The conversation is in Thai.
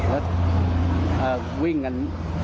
แล้ววิ่งกัน